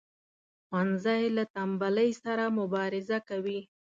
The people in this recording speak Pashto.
ښوونځی له تنبلی سره مبارزه کوي